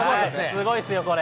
すごいですよ、これ。